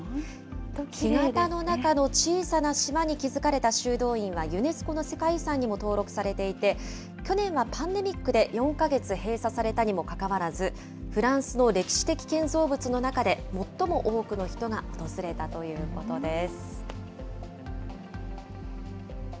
干潟の中の小さな島に築かれた修道院はユネスコの世界遺産にも登録されていて、去年はパンデミックで４か月閉鎖されたにもかかわらず、フランスの歴史的建造物の中で、最も多くの人が訪れたということです。